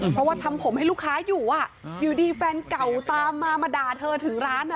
เพราะว่าทำผมให้ลูกค้าอยู่อยู่ดีแฟนเก่าตามมามาด่าเธอถึงร้าน